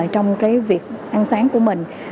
trong việc ăn sáng của mình